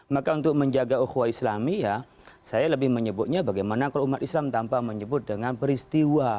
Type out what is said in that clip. maka untuk menjaga uhuah islami ya saya lebih menyebutnya bagaimana kalau umat islam tanpa menyebut dengan peristiwa